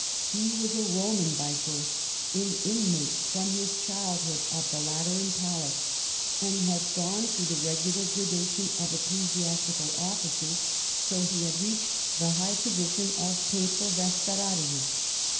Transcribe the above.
He was a Roman by birth, an inmate from his childhood of the Late ran palace, and had gone through the regular grada tion of ecclesiastical offices till he had reached the high position of papal vestararius.